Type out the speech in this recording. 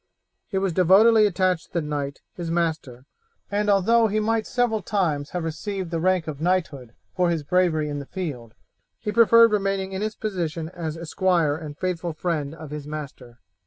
He was devotedly attached to the knight, his master, and although he might several times have received the rank of knighthood for his bravery in the field, he preferred remaining in his position as esquire and faithful friend of his master.